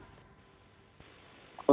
untuk pastinya saya kurang tahu